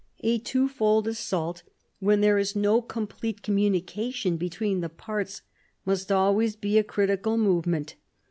A twofold assault, when there is no complete com munication between the parts, must always be a critical movement.